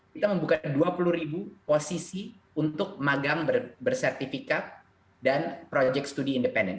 kita membuka dua puluh ribu posisi untuk magang bersertifikat dan proyek studi independen